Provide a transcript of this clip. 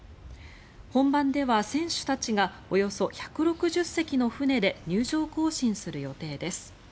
本番では選手たちがおよそ１６０隻の船で入場行進する予定です。